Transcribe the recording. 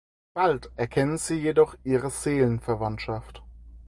Bald erkennen sie jedoch ihre Seelenverwandtschaft.